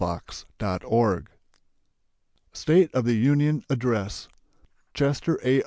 93 State of the Union Address Chester A.